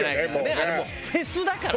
あれもうフェスだから！